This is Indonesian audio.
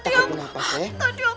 tadi aku liat ular